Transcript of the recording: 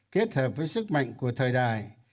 kết hợp với sức mạnh của thời đại